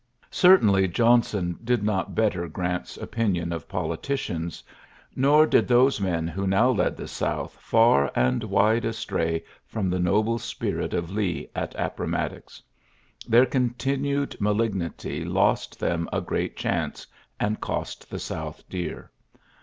Certainly, Johnson did not be Grant's opinion of politicians — nor those men who now led the South and wide astray from the noble spiri Lee at Appomattox. Their contLn malignity lost them a great chance, cost the South dear.